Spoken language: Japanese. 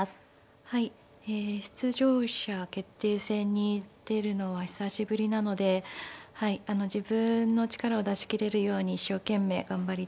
はいえ出場者決定戦に出るのは久しぶりなのではい自分の力を出し切れるように一生懸命頑張りたいと思います。